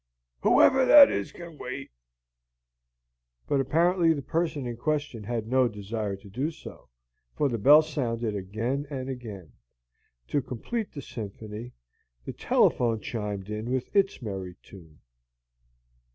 "Whoever that is can wait." But apparently the person in question had no desire to do so, for the bell sounded again and again. To complete the symphony, the telephone chimed in with its merry tune.